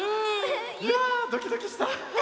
いやドキドキした！